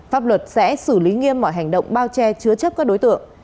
pháp luật sẽ xử lý nghiêm mọi hành động bao che chứa chấp các đối tượng